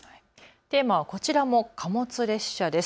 テーマはこちらも貨物列車です。